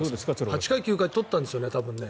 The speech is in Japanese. ８回、９回とったんですよね？